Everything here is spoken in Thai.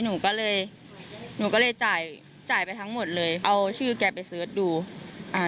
หนูก็เลยหนูก็เลยจ่ายจ่ายไปทั้งหมดเลยเอาชื่อแกไปเสิร์ชดูอ่า